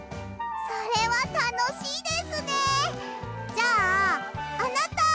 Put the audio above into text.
じゃああなた！